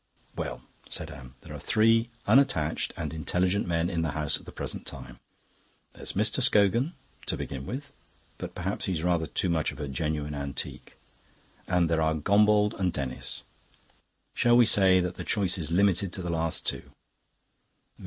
"Well" said Anne, "there are three unattached and intelligent men in the house at the present time. There's Mr. Scogan, to begin with; but perhaps he's rather too much of a genuine antique. And there are Gombauld and Denis. Shall we say that the choice is limited to the last two?"